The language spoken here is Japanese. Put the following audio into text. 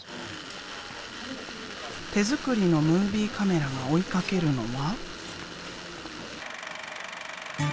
手作りのムービーカメラが追いかけるのは。